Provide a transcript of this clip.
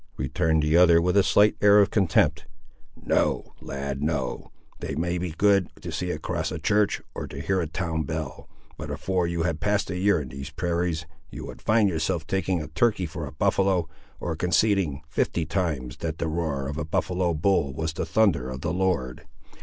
returned the other with a slight air of contempt; "no, lad, no; they may be good to see across a church, or to hear a town bell, but afore you had passed a year in these prairies you would find yourself taking a turkey for a buffaloe, or conceiting, fifty times, that the roar of a buffaloe bull was the thunder of the Lord!